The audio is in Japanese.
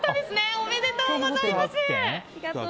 おめでとうございます！